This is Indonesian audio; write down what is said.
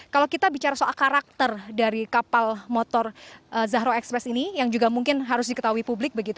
kalau kita bicara soal karakter dari kapal motor zahro express ini yang juga mungkin harus diketahui publik begitu